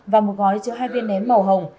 và một gói chứa hai viên ném màu hồng